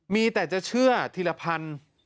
มีแต่จะเชื่อธิรพันธ์